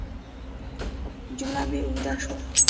جمله مې اوږده شوه.